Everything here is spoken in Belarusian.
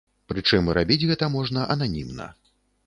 Прычым рабіць гэта можна ананімна.